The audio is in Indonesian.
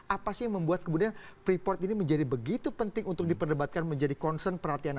apa sih yang membuat kemudian freeport ini menjadi begitu penting untuk diperdebatkan menjadi concern perhatian anda